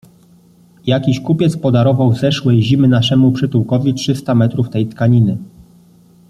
Jakiś kupiec podarował zeszłej zimy naszemu przytułkowi trzysta metrów tej tkaniny.